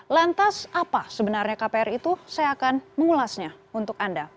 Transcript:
lantas apa sebenarnya kpr itu saya akan mengulasnya untuk anda